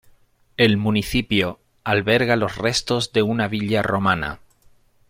El municipio alberga los restos de una villa romana.